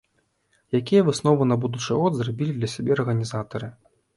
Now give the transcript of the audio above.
Якія высновы на будучы год зрабілі для сябе арганізатары?